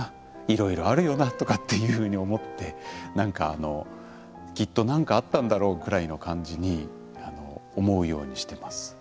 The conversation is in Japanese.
いろいろあるよな」とかっていうふうに思ってきっと何かあったんだろうくらいの感じに思うようにしてます。